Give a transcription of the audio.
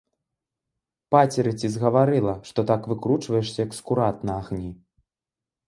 Пацеры ці згаварыла, што так выкручваешся, як скурат на агні.